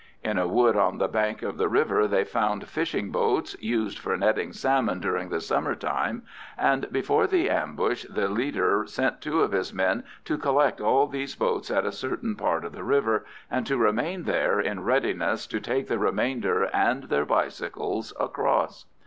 In a wood on the bank of the river they found fishing boats, used for netting salmon during the summer time, and before the ambush the leader sent two of his men to collect all these boats at a certain part of the river, and to remain there in readiness to take the remainder and their bicycles across.